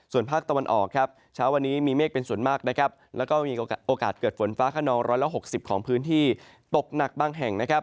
ส่วนภาคตะวันออกช้าวันนี้มีเมฆเป็นส่วนมากโอกาสเกิดฝนฟ้าขนอง๑๖๐ของพื้นที่ตกหนักบางแห่ง